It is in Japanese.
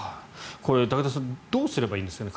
これ、武田さんどうすればいいんですかね。